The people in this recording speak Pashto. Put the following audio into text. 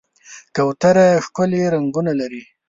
کوتره ښکلي رنګونه لري.